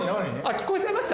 聞こえちゃいました？